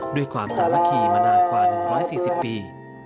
ด้วยความสามัคคีมานานกว่า๑๔๐ปี